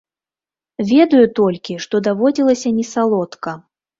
Ведаю толькі, што даводзілася не салодка.